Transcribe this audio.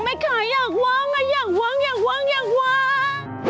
แม่คะอยากวางนะอยากวางอยากวางอยากวาง